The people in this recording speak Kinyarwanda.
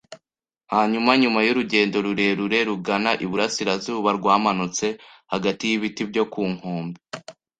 hanyuma nyuma y'urugendo rurerure rugana iburasirazuba, rwamanutse hagati y'ibiti byo ku nkombe.